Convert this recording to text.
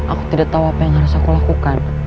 aku tidak tahu apa yang harus aku lakukan